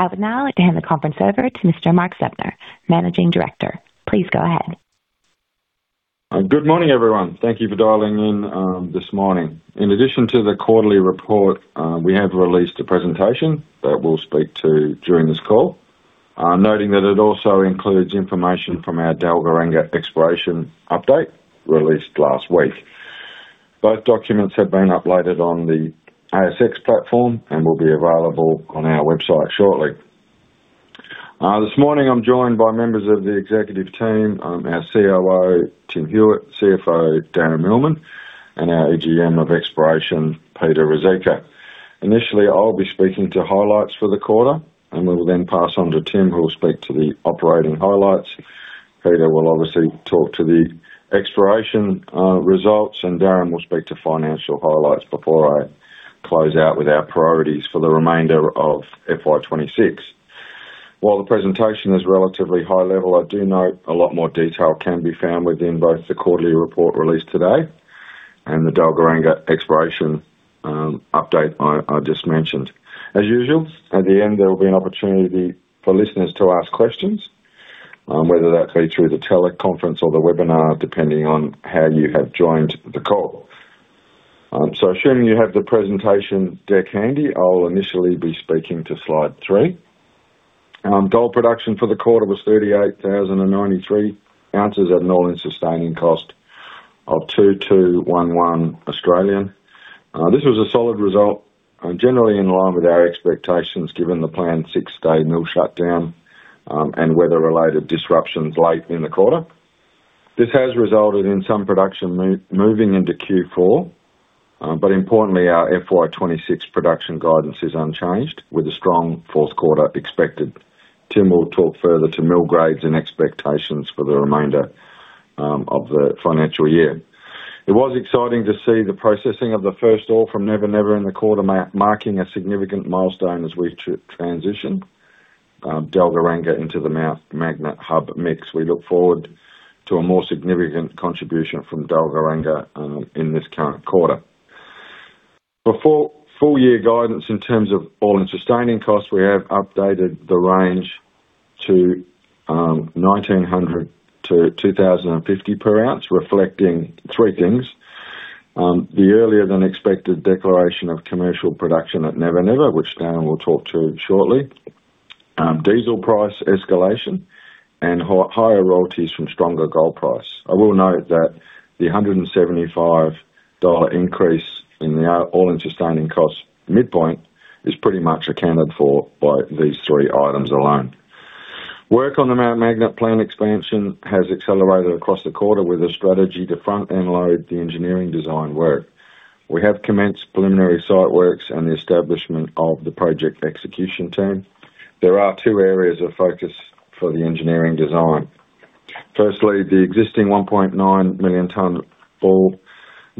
I would now like to hand the conference over to Mr. Mark Zeptner, Managing Director. Please go ahead. Good morning, everyone. Thank you for dialing in this morning. In addition to the quarterly report, we have released a presentation that we'll speak to during this call. Noting that it also includes information from our Dalgaranga exploration update released last week. Both documents have been uploaded on the ASX platform and will be available on our website shortly. This morning I'm joined by members of the executive team, our COO, Tim Hewitt, CFO, Darren Millman, and our EGM of Exploration, Peter Ruzicka. Initially, I'll be speaking to highlights for the quarter, and we will then pass on to Tim, who will speak to the operating highlights. Peter will obviously talk to the exploration results, and Darren will speak to financial highlights before I close out with our priorities for the remainder of FY 2026. While the presentation is relatively high level, I do note a lot more detail can be found within both the quarterly report released today and the Dalgaranga exploration update I just mentioned. As usual, at the end, there will be an opportunity for listeners to ask questions, whether that be through the teleconference or the webinar, depending on how you have joined the call. Assuming you have the presentation deck handy, I'll initially be speaking to slide three. Gold production for the quarter was 38,093 oz at an all-in sustaining cost of 2,211. This was a solid result and generally in line with our expectations given the planned six-day mill shutdown and weather-related disruptions late in the quarter. This has resulted in some production moving into Q4, but importantly, our FY 2026 production guidance is unchanged, with a strong fourth quarter expected. Tim will talk further to mill grades and expectations for the remainder of the financial year. It was exciting to see the processing of the first ore from Never Never in the quarter marking a significant milestone as we transition Dalgaranga into the Mt Magnet hub mix. We look forward to a more significant contribution from Dalgaranga in this current quarter. For full year guidance in terms of all-in sustaining costs, we have updated the range to 1,900-2,050 per ounce, reflecting three things: The earlier than expected declaration of commercial production at Never Never, which Darren will talk to shortly. Diesel price escalation and higher royalties from stronger gold price. I will note that the 175 dollar increase in the all-in sustaining cost midpoint is pretty much accounted for by these three items alone. Work on the Mt Magnet plant expansion has accelerated across the quarter with a strategy to front-end load the engineering design work. We have commenced preliminary site works and the establishment of the project execution team. There are two areas of focus for the engineering design. Firstly, the existing 1.9 million ton ball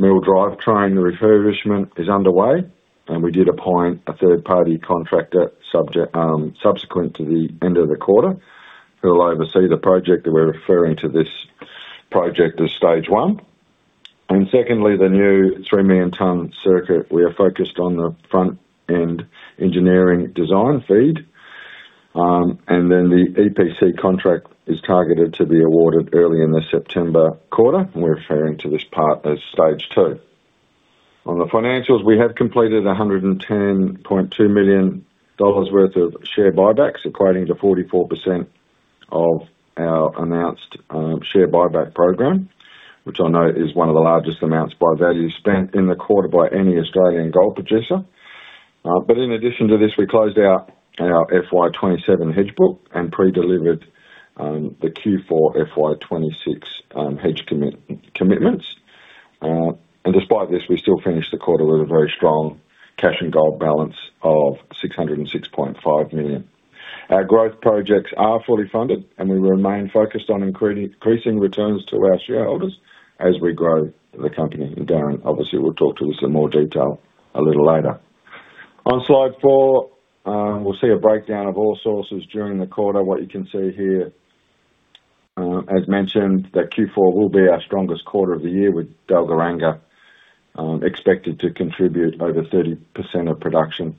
mill drive train refurbishment is underway, and we did appoint a third-party contractor subject subsequent to the end of the quarter, who will oversee the project. We're referring to this project as stage one. Secondly, the new 3 million ton circuit. We are focused on the front-end engineering design FEED, then the EPC contract is targeted to be awarded early in the September quarter. We're referring to this part as stage two. On the financials, we have completed 110.2 million dollars worth of share buybacks, equating to 44% of our announced share buyback program, which I know is one of the largest amounts by value spent in the quarter by any Australian gold producer. In addition to this, we closed out our FY 2027 hedge book and pre-delivered the Q4 FY 2026 hedge commitments. Despite this, we still finished the quarter with a very strong cash and gold balance of 606.5 million. Our growth projects are fully funded, and we remain focused on increasing returns to our shareholders as we grow the company. Darren obviously will talk to this in more detail a little later. On slide four, we'll see a breakdown of all sources during the quarter. What you can see here, as mentioned, that Q4 will be our strongest quarter of the year, with Dalgaranga expected to contribute over 30% of production.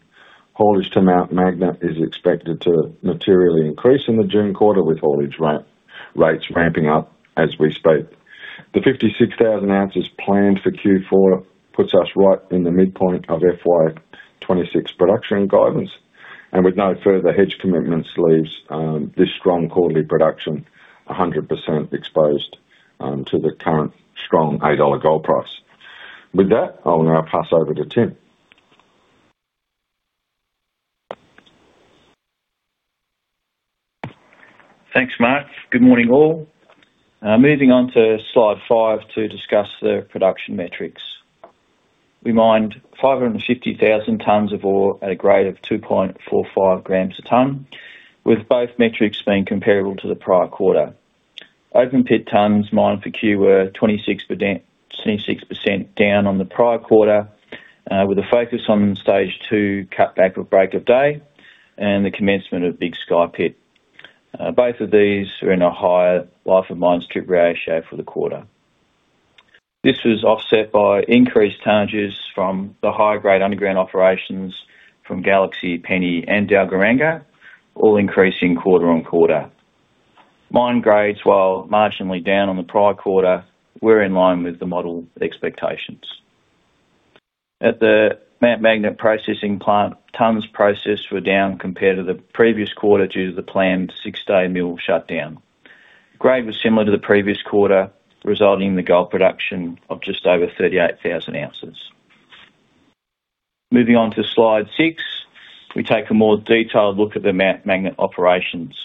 Haulage to Mt Magnet is expected to materially increase in the June quarter, with haulage ramp-rates ramping up as we speak. The 56,000 oz planned for Q4 puts us right in the midpoint of FY 2026 production guidance and with no further hedge commitments leaves this strong quarterly production 100% exposed to the current strong AUD 8 gold price. With that, I'll now pass over to Tim. Thanks, Mark. Good morning, all. Moving on to slide five to discuss the production metrics. We mined 550,000 tons of ore at a grade of 2.45 g a ton, with both metrics being comparable to the prior quarter. Open pit tons mined for Cue were 66% down on the prior quarter, with a focus on stage two cutback of Break of Day and the commencement of Big Sky Pit. Both of these are in a higher life of mine strip ratio for the quarter. This was offset by increased tonnages from the high-grade underground operations from Galaxy, Penny, and Dalgaranga, all increasing quarter on quarter. Mine grades, while marginally down on the prior quarter, were in line with the model expectations. At the Mt Magnet processing plant, tons processed were down compared to the previous quarter due to the planned six-day mill shutdown. Grade was similar to the previous quarter, resulting in the gold production of just over 38,000 oz. Moving on to slide six, we take a more detailed look at the Mt Magnet operations.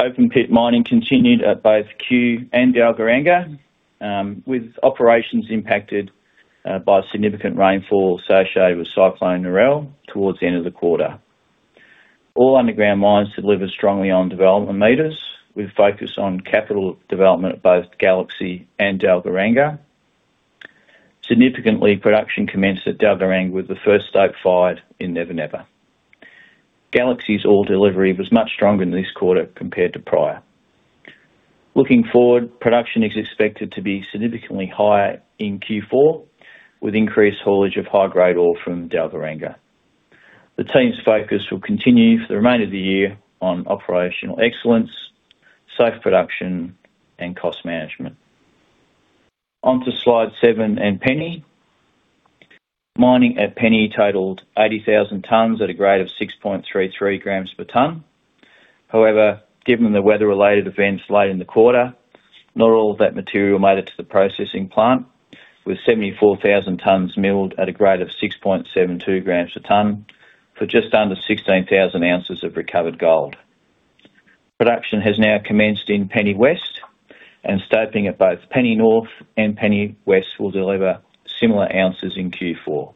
Open pit mining continued at both Cue and Dalgaranga, with operations impacted by significant rainfall associated with Cyclone Narelle towards the end of the quarter. All underground mines delivered strongly on development meters. We've focused on capital development at both Galaxy and Dalgaranga. Significantly, production commenced at Dalgaranga with the first stope fired in Never Never. Galaxy's ore delivery was much stronger in this quarter compared to prior. Looking forward, production is expected to be significantly higher in Q4 with increased haulage of high-grade ore from Dalgaranga. The team's focus will continue for the remainder of the year on operational excellence, safe production, and cost management. Slide seven and Penny. Mining at Penny totaled 80,000 tons at a grade of 6.33 g per ton. However, given the weather-related events late in the quarter, not all of that material made it to the processing plant, with 74,000 tons milled at a grade of 6.72 g a ton for just under 16,000 oz of recovered gold. Production has now commenced in Penny West. Stoping at both Penny North and Penny West will deliver similar ounces in Q4.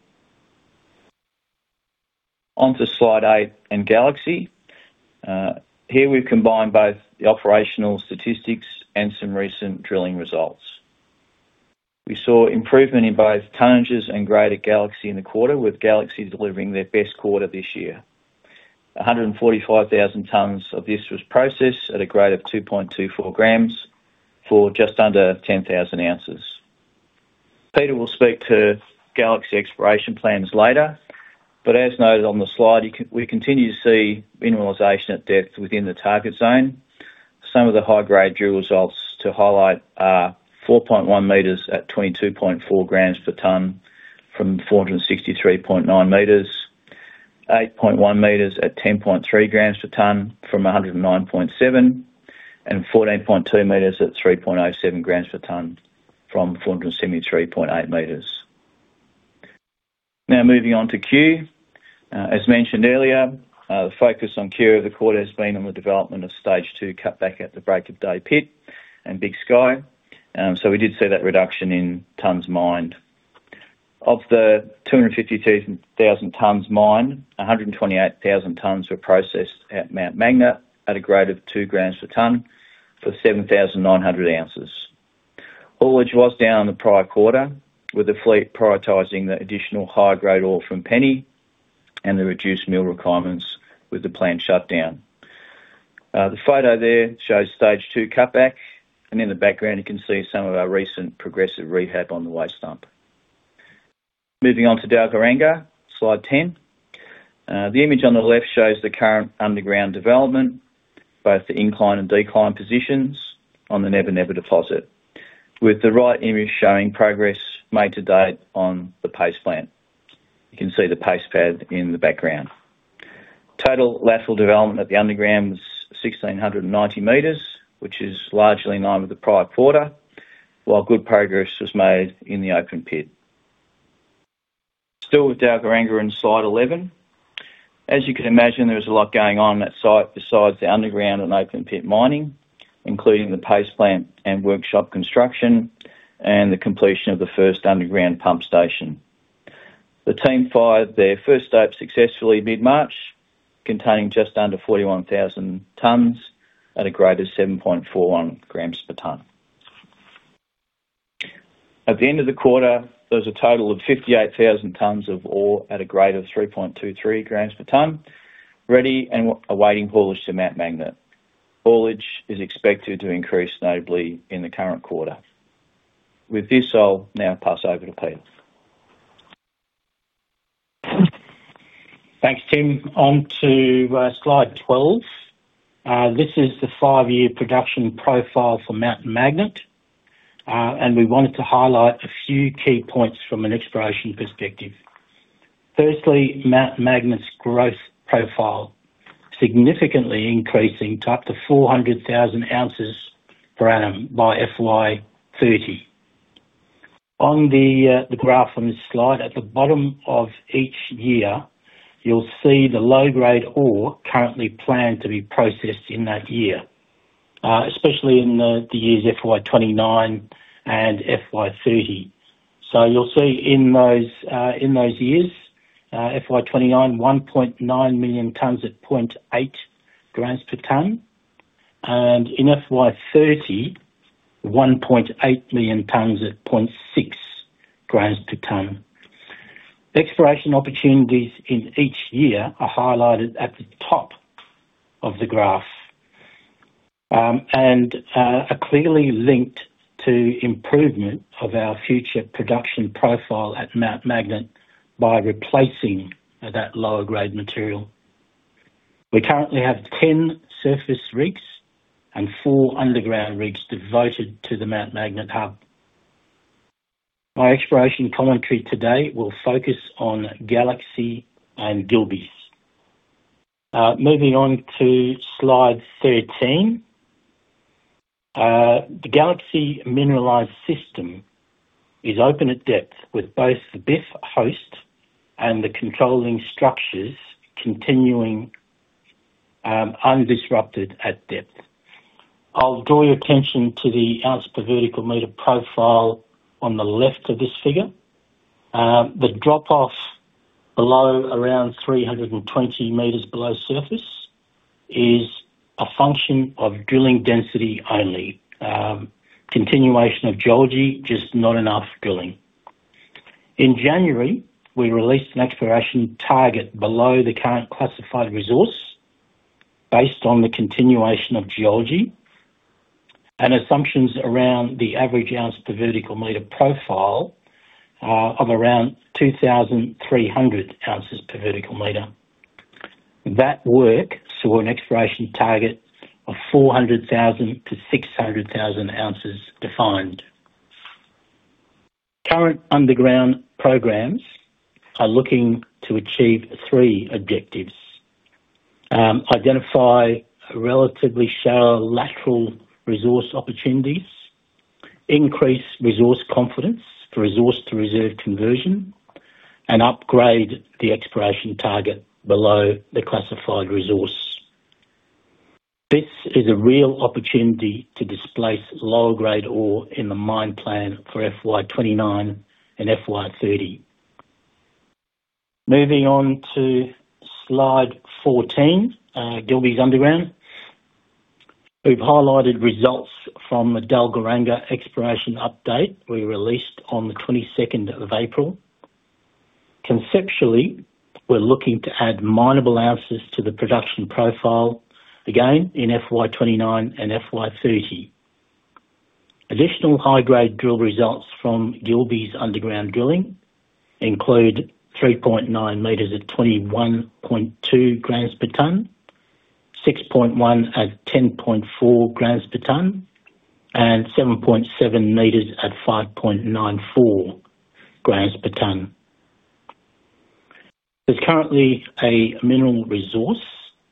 Slide eight and Galaxy. Here we've combined both the operational statistics and some recent drilling results. We saw improvement in both tonnages and grade at Galaxy in the quarter, with Galaxy delivering their best quarter this year. 145,000 tons of this was processed at a grade of 2.24 g for just under 10,000 oz. Peter will speak to Galaxy exploration plans later. As noted on the slide, we continue to see mineralization at depth within the target zone. Some of the high-grade drill results to highlight are 4.1 m at 22.4 g per ton from 463.9 m, 8.1 m at 10.3 g per ton from 109.7 m, and 14.2 m at 3.27 g per ton from 473.8 m. Moving on to Cue. As mentioned earlier, the focus on Cue over the quarter has been on the development of stage two cutback at the Break of Day pit and Big Sky. We did see that reduction in tons mined. Of the 252,000 tons mined, 128,000 tons were processed at Mt Magnet at a grade of two grams per ton for 7,900 oz. Haulage was down in the prior quarter, with the fleet prioritizing the additional high-grade ore from Penny and the reduced mill requirements with the planned shutdown. The photo there shows stage two cutback, and in the background you can see some of our recent progressive rehab on the waste dump. Moving on to Dalgaranga, slide 10. The image on the left shows the current underground development, both the incline and decline positions on the Never Never deposit, with the right image showing progress made to date on the paste plant. You can see the paste pad in the background. Total lateral development at the underground was 1,690 m, which is largely in line with the prior quarter, while good progress was made in the open pit. Still with Dalgaranga in slide 11. As you can imagine, there is a lot going on on that site besides the underground and open pit mining, including the paste plant and workshop construction and the completion of the first underground pump station. The team fired their first stope successfully mid-March, containing just under 41,000 tons at a grade of 7.41 g per ton. At the end of the quarter, there was a total of 58,000 tons of ore at a grade of 3.23 g per ton, ready and awaiting haulage to Mt Magnet. Haulage is expected to increase notably in the current quarter. With this, I'll now pass over to Peter. Thanks, Tim. On to slide 12. This is the five-year production profile for Mt Magnet, and we wanted to highlight a few key points from an exploration perspective. Firstly, Mt Magnet's growth profile, significantly increasing to up to 400,000 oz per annum by FY 2030. On the graph on this slide, at the bottom of each year, you'll see the low-grade ore currently planned to be processed in that year, especially in the years FY 2029 and FY 2030. You'll see in those, in those years, FY 2029, 1.9 million tons at 0.8 g per ton, and in FY 2030, 1.8 million tons at 0.6 g per ton. Exploration opportunities in each year are highlighted at the top of the graph, and are clearly linked to improvement of our future production profile at Mt Magnet by replacing that lower grade material. We currently have 10 surface rigs and four underground rigs devoted to the Mt Magnet Hub. My exploration commentary today will focus on Galaxy and Gilbeys. Moving on to slide 13. The Galaxy mineralized system is open at depth with both the BIF host and the controlling structures continuing undisrupted at depth. I'll draw your attention to the ounce per vertical meter profile on the left of this figure. The drop off below around 320 m below surface is a function of drilling density only. Continuation of geology, just not enough drilling. In January, we released an exploration target below the current classified resource based on the continuation of geology and assumptions around the average ounce per vertical meter profile of around 2,300 oz per vertical meter. That work saw an exploration target of 400,000 oz-600,000 oz defined. Current underground programs are looking to achieve three objectives. Identify relatively shallow lateral resource opportunities, increase resource confidence for resource to reserve conversion, and upgrade the exploration target below the classified resource. This is a real opportunity to displace lower grade ore in the mine plan for FY 2029 and FY 2030. Moving on to slide 14, Gilbeys Underground. We've highlighted results from the Dalgaranga exploration update we released on the 22nd of April. Conceptually, we're looking to add minable ounces to the production profile again in FY 2029 and FY 2030. Additional high-grade drill results from Gilbeys underground drilling include 3.9 m at 21.2 g per ton, 6.1 m at 10.4 g per ton, and 7.7 m at 5.94 g per ton. There's currently a mineral resource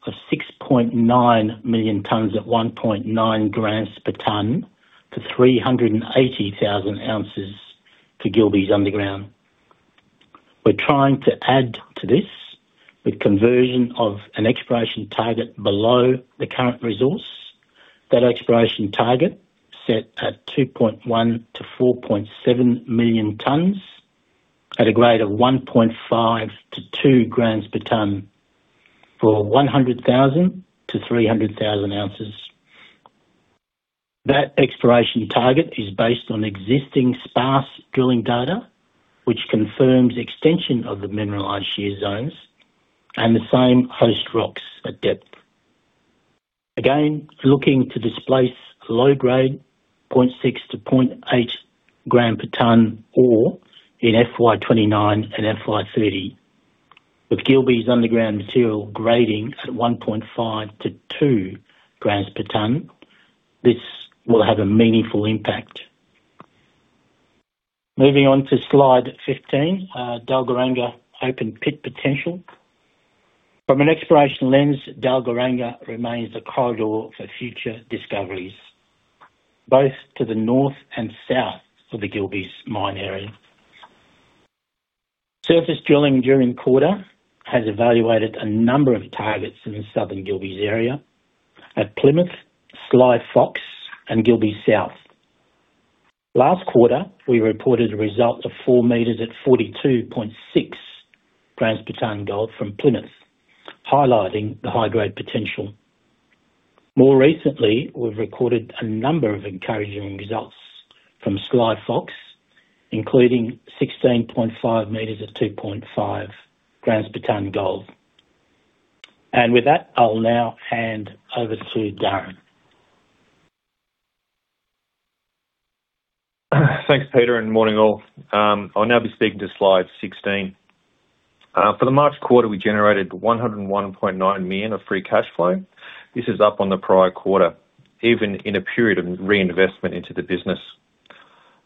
of 6.9 million tons at 1.9 g per ton to 380,000 oz to Gilbeys Underground. We're trying to add to this with conversion of an exploration target below the current resource. That exploration target set at 2.1 million-4.7 million tons at a grade of 1.5 g-2 g per ton for 100,000 oz-300,000 oz. That exploration target is based on existing sparse drilling data, which confirms extension of the mineralized shear zones and the same host rocks at depth. Again, looking to displace low grade 0.6 g-0.8 g per ton ore in FY 2029 and FY 2030. With Gilbeys Underground material grading at 1.5 g-2 g per ton, this will have a meaningful impact. Moving on to slide 15, Dalgaranga open pit potential. From an exploration lens, Dalgaranga remains a corridor for future discoveries, both to the north and south of the Gilbeys mine area. Surface drilling during quarter has evaluated a number of targets in the southern Gilbeys area at Plymouth, Sly Fox, and Gilbey South. Last quarter, we reported a result of 4 m at 42.6 g per ton gold from Plymouth, highlighting the high grade potential. More recently, we've recorded a number of encouraging results from Sly Fox, including 16.5 m at 2.5 g per ton gold. With that, I'll now hand over to Darren. Thanks, Peter, and morning all. I'll now be speaking to slide 16. For the March quarter, we generated 101.9 million of free cashflow. This is up on the prior quarter, even in a period of reinvestment into the business.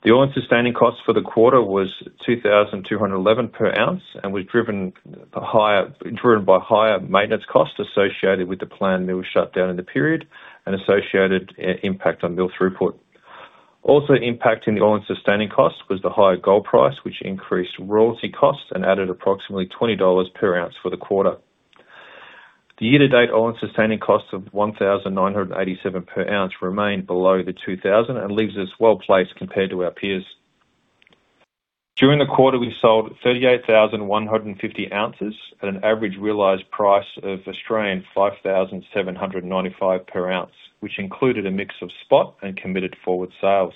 The all-in sustaining cost for the quarter was 2,211 per ounce, and we've driven higher, driven by higher maintenance costs associated with the planned mill shutdown in the period and associated impact on mill throughput. Also impacting the all-in sustaining cost was the higher gold price, which increased royalty costs and added approximately 20 dollars per ounce for the quarter. The year to date, all-in sustaining cost of 1,987 per ounce remained below the 2,000 and leaves us well-placed compared to our peers. During the quarter, we sold 38,150 oz at an average realized price of 5,795 per ounce, which included a mix of spot and committed forward sales.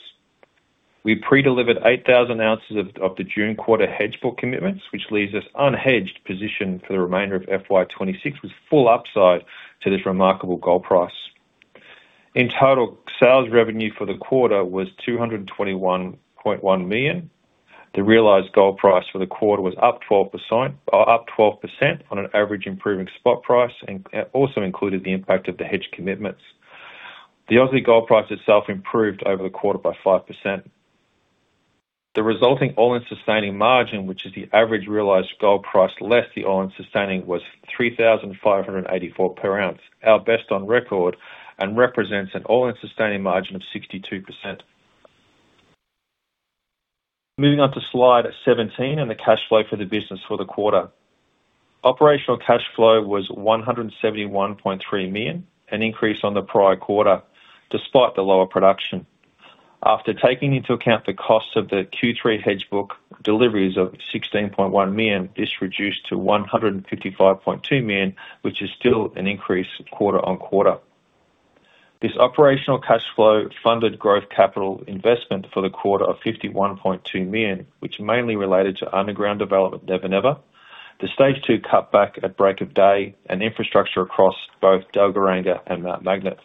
We pre-delivered 8,000 oz of the June quarter hedge book commitments, which leaves us unhedged position for the remainder of FY 2026 with full upside to this remarkable gold price. In total, sales revenue for the quarter was 221.1 million. The realized gold price for the quarter was up 12%, up 12% on an average improving spot price and also included the impact of the hedge commitments. The AUD gold price itself improved over the quarter by 5%. The resulting all-in sustaining margin, which is the average realized gold price less the all-in sustaining, was 3,584 per ounce, our best on record, and represents an all-in sustaining margin of 62%. Moving on to slide 17 and the cash flow for the business for the quarter. Operational cash flow was 171.3 million, an increase on the prior quarter despite the lower production. After taking into account the cost of the Q3 hedge book deliveries of 16.1 million, this reduced to 155.2 million, which is still an increase quarter on quarter. This operational cash flow funded growth capital investment for the quarter of 51.2 million, which mainly related to underground development Never Never. The stage two cutback at Break of Day and infrastructure across both Dalgaranga and Mt Magnet.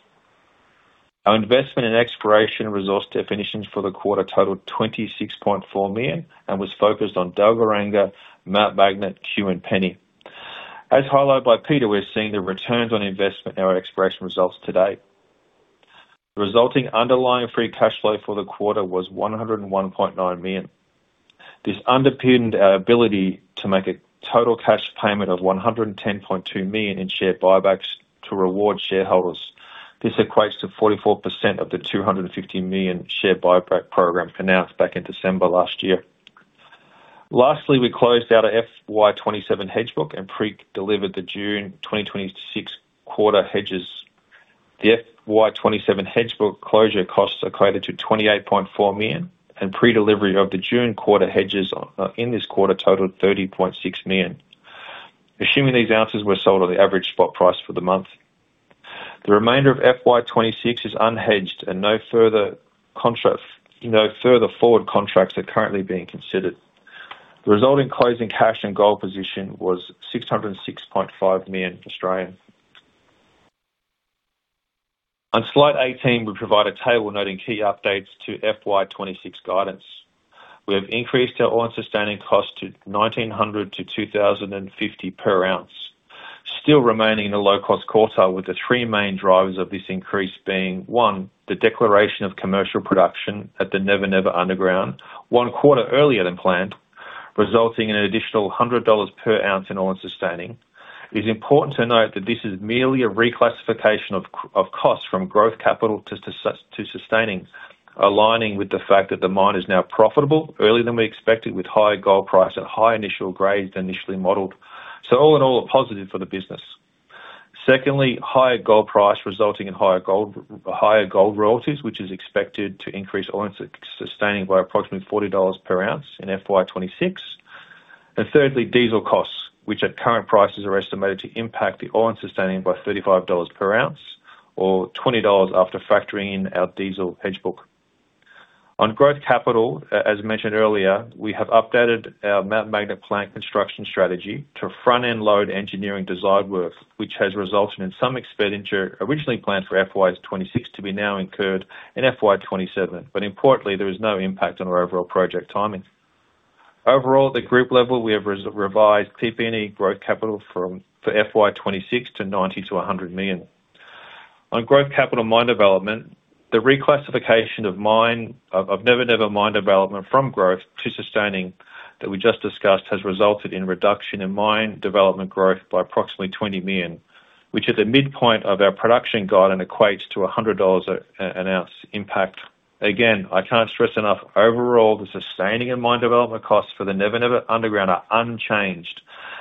Our investment in exploration resource definitions for the quarter totaled 26.4 million and was focused on Dalgaranga, Mt Magnet, Cue and Penny. As highlighted by Peter, we're seeing the returns on investment in our exploration results to date. The resulting underlying free cash flow for the quarter was 101.9 million. This underpinned our ability to make a total cash payment of 110.2 million in share buybacks to reward shareholders. This equates to 44% of the 250 million share buyback program announced back in December last year. Lastly, we closed out our FY 2027 hedge book and pre-delivered the June 2026 quarter hedges. The FY 2027 hedge book closure costs equated to 28.4 million, pre-delivery of the June quarter hedges in this quarter totaled 30.6 million, assuming these ounces were sold on the average spot price for the month. The remainder of FY 2026 is unhedged, no further forward contracts are currently being considered. The resulting closing cash and gold position was 606.5 million. On slide 18, we provide a table noting key updates to FY 2026 guidance. We have increased our all-in sustaining cost to 1,900 to 2,050 per ounce, still remaining in the low cost quartile with the three main drivers of this increase being, one, the declaration of commercial production at the Never Never underground one quarter earlier than planned, resulting in an additional 100 dollars per ounce in all-in sustaining. It is important to note that this is merely a reclassification of cost from growth capital to sustaining, aligning with the fact that the mine is now profitable earlier than we expected with higher gold price at higher initial grades initially modeled. All in all, a positive for the business. Secondly, higher gold price resulting in higher gold royalties, which is expected to increase all-in sustaining by approximately 40 dollars per ounce in FY 2026. Thirdly, diesel costs, which at current prices are estimated to impact the all-in sustaining by 35 dollars per ounce or 20 dollars after factoring in our diesel hedge book. On growth capital, as mentioned earlier, we have updated our Mt Magnet plant construction strategy to front-end load engineering design work, which has resulted in some expenditure originally planned for FY 2026 to be now incurred in FY 2027. Importantly, there is no impact on our overall project timing. Overall, at the group level, we have revised PP&E growth capital for FY 2026 to 90 million-100 million. On growth capital mine development, the reclassification of Never Never mine development from growth to sustaining that we just discussed, has resulted in reduction in mine development growth by approximately 20 million, which at the midpoint of our production guide and equates to 100 dollars an ounce impact. Again, I can't stress enough, overall, the sustaining in mine development costs for the Never Never underground are unchanged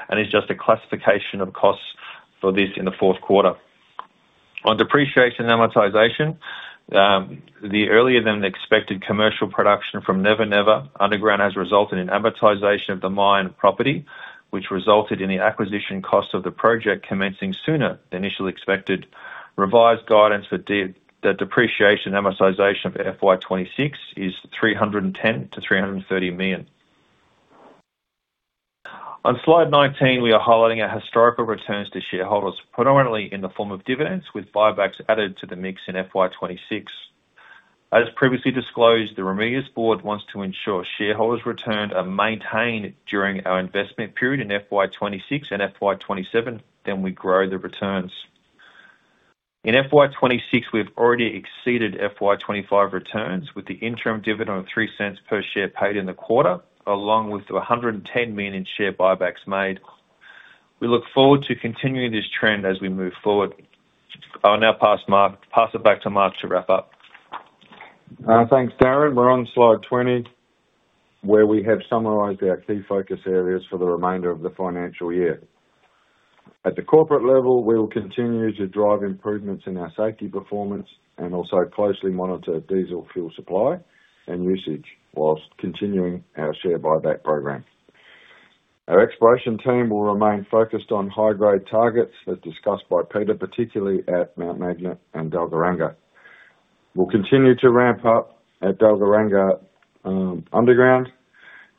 and is just a classification of costs for this in the fourth quarter. On depreciation amortization, the earlier than expected commercial production from Never Never underground has resulted in amortization of the mine property, which resulted in the acquisition cost of the project commencing sooner than initially expected. Revised guidance for the depreciation amortization of FY 2026 is 310 million-330 million. On slide 19, we are highlighting our historical returns to shareholders, predominantly in the form of dividends with buybacks added to the mix in FY 2026. As previously disclosed, the Ramelius board wants to ensure shareholders return are maintained during our investment period in FY 2026 and FY 2027, then we grow the returns. In FY 2026, we have already exceeded FY 2025 returns, with the interim dividend of 0.03 per share paid in the quarter, along with the 110 million share buybacks made. We look forward to continuing this trend as we move forward. I'll now pass it back to Mark to wrap up. Thanks, Darren. We're on slide 20, where we have summarized our key focus areas for the remainder of the financial year. At the corporate level, we will continue to drive improvements in our safety performance and also closely monitor diesel fuel supply and usage whilst continuing our share buyback program. Our exploration team will remain focused on high-grade targets as discussed by Peter, particularly at Mt Magnet and Dalgaranga. We'll continue to ramp up at Dalgaranga underground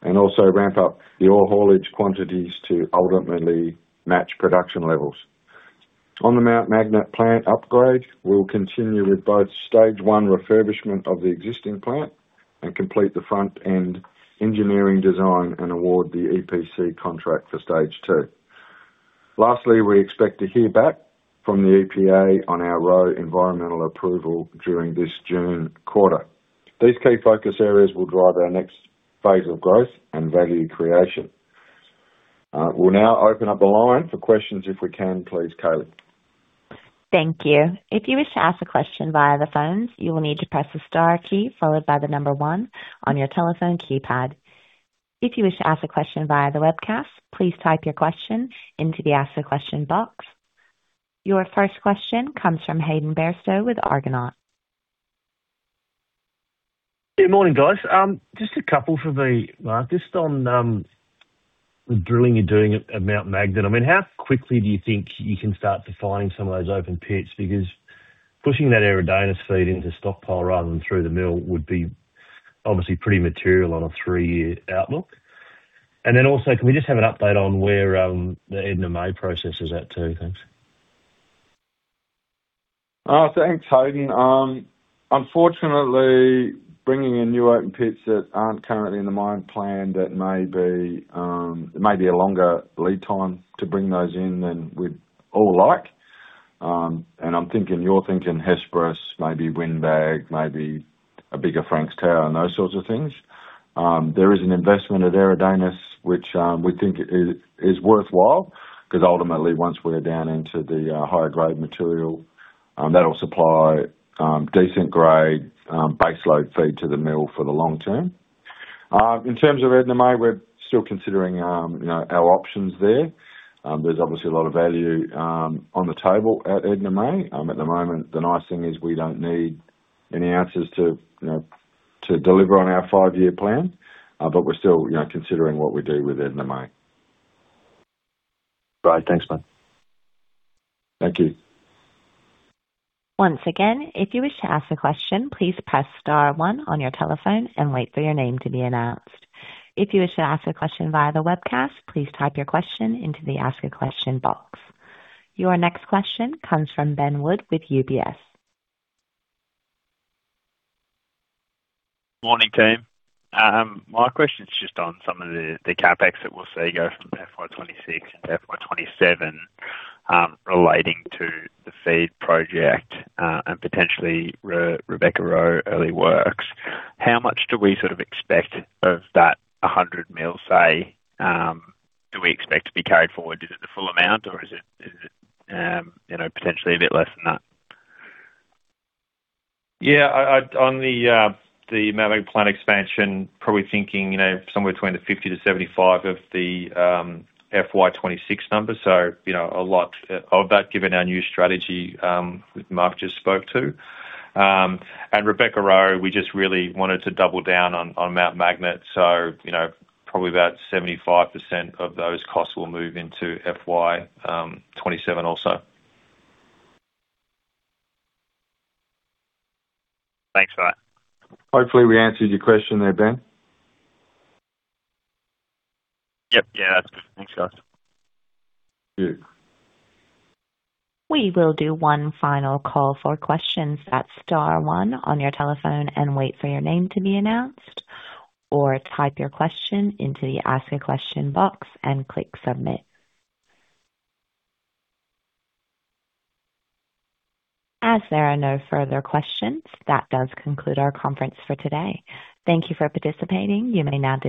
and also ramp up the ore haulage quantities to ultimately match production levels. On the Mt Magnet plant upgrade, we'll continue with both stage one refurbishment of the existing plant and complete the front-end engineering design and award the EPC contract for stage two. Lastly, we expect to hear back from the EPA on our Roe environmental approval during this June quarter. These key focus areas will drive our next phase of growth and value creation. We'll now open up the line for questions if we can please, Cody. Thank you. If you wish to ask a question via the phones, you will need to press the star key followed by the one on your telephone keypad. If you wish to ask a question via the webcast, please type your question into the ask a question box. Your first question comes from Hayden Bairstow with Argonaut. Good morning, guys. Just a couple for me. Mark, just on the drilling you're doing at Mt Magnet. I mean, how quickly do you think you can start defining some of those open pits? Because pushing that Eridanus feed into stockpile rather than through the mill would be obviously pretty material on a three-year outlook. Also, can we just have an update on where the Edna May process is at too? Thanks. Thanks, Hayden. Unfortunately, bringing in new open pits that aren't currently in the mine plan, that may be a longer lead time to bring those in than we'd all like. I'm thinking, you're thinking Hesperus, maybe Windbag, maybe a bigger Frank's Tower and those sorts of things. There is an investment at Eridanus, which we think is worthwhile because ultimately once we're down into the higher grade material, that'll supply decent grade, base load feed to the mill for the long term. In terms of Edna May, we're still considering, you know, our options there. There's obviously a lot of value on the table at Edna May at the moment. The nice thing is we don't need any answers to, you know, to deliver on our five-year plan. We're still, you know, considering what we do with Edna May. Great. Thanks, Mark. Thank you. Your next question comes from Ben Wood with UBS. Morning, team. My question is just on some of the CapEx that we'll see go from FY 2026 and FY 2027, relating to the FEED project and potentially Rebecca-Roe early works. How much do we sort of expect of that 100 million, say, do we expect to be carried forward? Is it the full amount or is it, you know, potentially a bit less than that? Yeah. I on the Mt Magnet plant expansion, probably thinking, you know, somewhere between the 50%-75% of the FY 2026 numbers. You know, a lot of that given our new strategy, Mark just spoke to. Rebecca-Roe, we just really wanted to double down on Mt Magnet. You know, probably about 75% of those costs will move into FY 2027 also. Thanks. Bye. Hopefully, we answered your question there, Ben. Yep. Yeah, that's good. Thanks, guys. Yeah. We will do one final call for questions at star one on your telephone and wait for your name to be announced. Or type your question into the ask a question box and click submit. As there are no further questions, that does conclude our conference for today. Thank you for participating. You may now disconnect.